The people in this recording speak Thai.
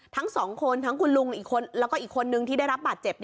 ทั้งสองคนทั้งคุณลุงอีกคนแล้วก็อีกคนนึงที่ได้รับบาดเจ็บ